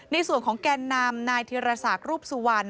ในส่วนของแกนนำนายธิรษักรูปสุวรรณ